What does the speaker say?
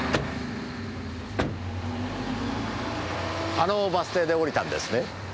あのバス停で降りたんですね？